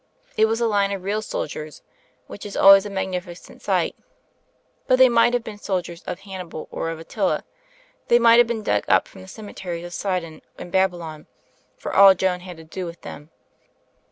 It was a line of real soldiers, which is always a magnifi cent sight But they might have been the soldiers of Hannibal or of Attila, they might hav^ been dug up from the cemeteries of Sidon and BaSylon, for all Joan had to do with them.